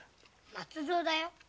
松造だよ。